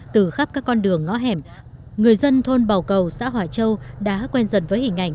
từ khắp các con đường ngõ hẻm người dân thôn bảo cầu xã hòa châu đã quen dần với hình ảnh